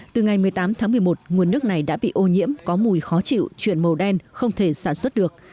từ ngày một mươi tám tháng một mươi một nguồn nước này đã bị ô nhiễm có mùi khó chịu chuyển màu đen không thể sản xuất được